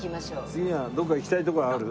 次はどっか行きたい所ある？